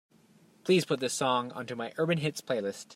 Please put this song onto my Urban Hits playlist.